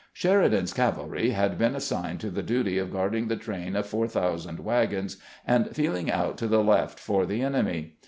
Sheridan's cavalry had been assigned to the duty of guarding the train of four thousand wagons, and feel ing out to the left for the enemy.